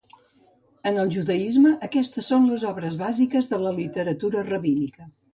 En el judaisme aquestes són les obres bàsiques de la literatura rabínica.